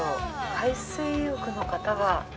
海水浴の方は。